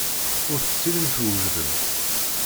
Ur tettilim twejdem.